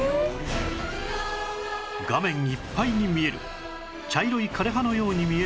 画面いっぱいに見える茶色い枯れ葉のように見えるもの